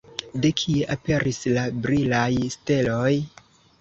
De kie aperis la brilaj steloj?